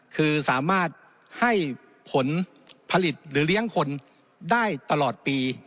คือสามารถให้ผลผลิตหรือเลี้ยงคนได้ตลอดปี